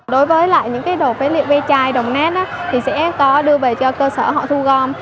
đối với lại những cái đồ phế liệu ve chai đồng nét á thì sẽ có đưa về cho cơ sở họ thu gom